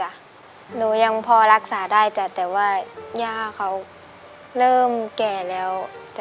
หนูยังพอรักษาได้แต่ว่าย่าเขาเริ่มแก่แล้ว